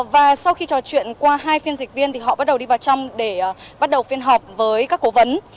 và sau khi trò chuyện qua hai phiên dịch viên thì họ bắt đầu đi vào trong để bắt đầu phiên họp với các cố vấn